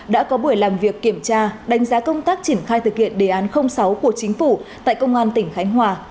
đã có buổi làm việc kiểm tra đánh giá công tác triển khai thực hiện đề án sáu của chính phủ tại công an tỉnh khánh hòa